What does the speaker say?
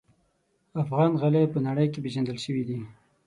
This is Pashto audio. افغان غالۍ په نړۍ کې پېژندل شوي دي.